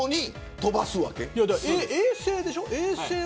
衛星でしょ、衛星。